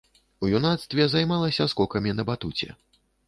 У юнацтве займалася скокамі на батуце.